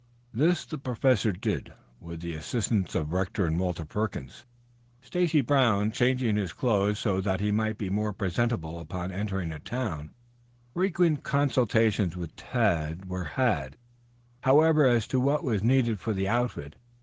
This the Professor did, with the assistance of Rector and Walter Perkins, Stacy Brown changing his clothes so that he might be more presentable upon entering a town. Frequent consultations with Tad were had, however, as to what was needed for the outfit.